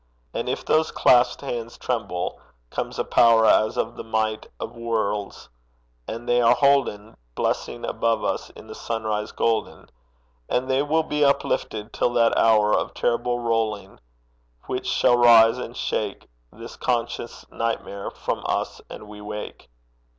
And if those clasped hands tremble, comes a power As of the might of worlds, and they are holden Blessing above us in the sunrise golden; And they will be uplifted till that hour Of terrible rolling which shall rise and shake This conscious nightmare from us and we wake.